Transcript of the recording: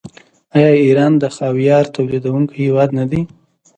آیا ایران د خاویار تولیدونکی هیواد نه دی؟